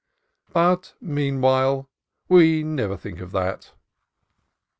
But, meanwhile, "we never think of that."